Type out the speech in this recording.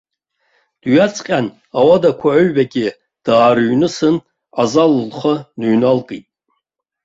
Дҩаҵҟьан, ауадақәа аҩбагьы даарыҩнысын, азал лхы ныҩналкит.